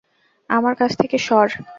আমার কাছ থেকে সর!